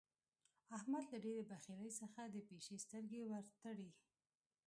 احمد له ډېرې بخيلۍ څخه د پيشي سترګې ور تړي.